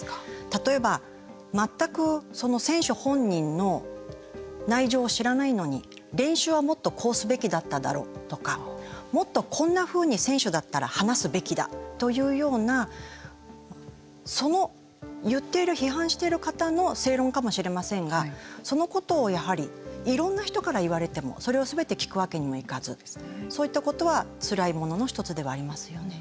例えば全くその選手本人の内情を知らないのに、練習はもっとこうすべきだっただろうとかもっとこんなふうに選手だったら話すべきだというようなその言っている、批判している方の正論かもしれませんがそのことをやはりいろんな人から言われても、それを全て聞くわけにもいかずそういったことはつらいものの１つではありますよね。